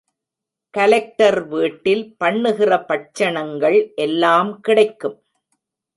Collector வீட்டில் பண்ணுகிற பட்சணங்கள் எல்லாம் கிடைக்கும்.